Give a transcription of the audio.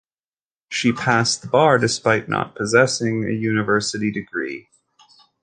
She passed the bar despite not possessing a university degree.